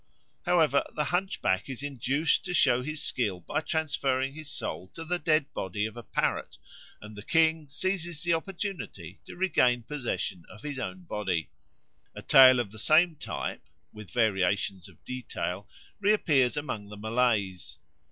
However, the hunchback is induced to show his skill by transferring his soul to the dead body of a parrot, and the king seizes the opportunity to regain possession of his own body. A tale of the same type, with variations of detail, reappears among the Malays.